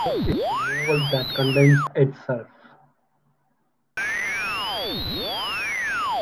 Wet Paper is a novel that contains itself.